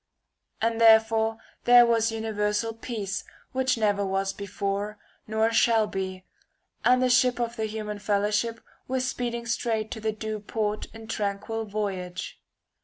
And therefore there was uni versal peace which never was before nor shall be, and the ship of the human fellowship was speed ing straight to the due port in tranquil voyage.